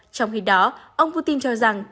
trong khi đó ông putin cho rằng